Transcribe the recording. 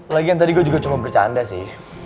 lagian tadi gue juga cuma bercanda sih